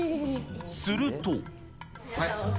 すると。